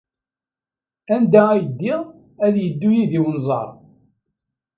Anda ay ddiɣ, ad yeddu yid-i unẓar!